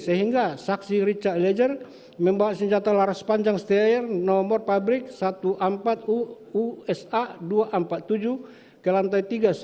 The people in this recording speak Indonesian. sehingga saksi richard eliezer membawa senjata laras panjang setir nomor pabrik satu empat belas usa dua ratus empat puluh tujuh ke lantai tiga